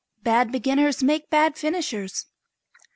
Bad beginners make bad finishers.